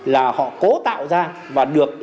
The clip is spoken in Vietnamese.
là họ cố tạo ra và được